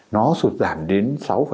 nó sụt giảm đến sáu một mươi một